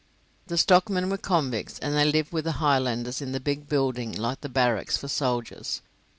The stockmen were convicts, and they lived with the Highlanders in a big building like the barracks for soldiers.